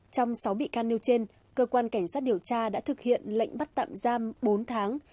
trong sáu bị can nêu trên cơ quan cảnh sát điều tra đã thực hiện lệnh bắt tạm giam bốn tháng